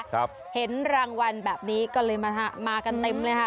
ครับเห็นรางวัลแบบนี้ก็เลยมาฮะมากันเต็มเลยค่ะ